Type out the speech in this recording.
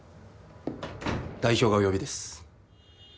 代表がお呼びです。